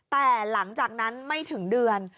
แต่หลังจากนั้นไม่ถึงเดือน